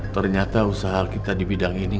ternyata usaha kita di bidang ini